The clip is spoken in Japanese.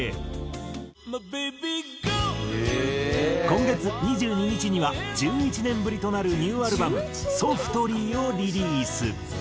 今月２２日には１１年ぶりとなるニューアルバム『ＳＯＦＴＬＹ』をリリース。